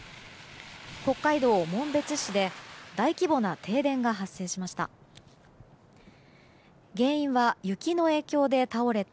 北海道紋別市で大規模な停電が発生しました。